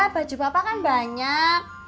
baju papa kan banyak